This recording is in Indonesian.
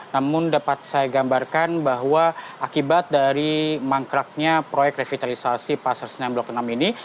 namun dapat saya gambarkan bahwa akibat dari mangkraknya proyek revitalisasi pasar senen blok enam ini